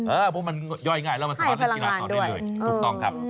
เออพวกมันย่อยง่ายแล้วมันทำให้พลังงานต่อไปเรื่อยถูกต้องครับ